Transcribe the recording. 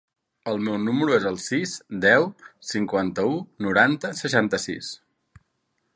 El meu número es el sis, deu, cinquanta-u, noranta, seixanta-sis.